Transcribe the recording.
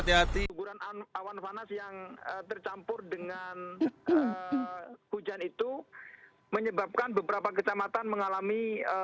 sejumlah warga yang tercampur dengan hujan itu menyebabkan beberapa kecamatan mengalami